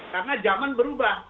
karena zaman berubah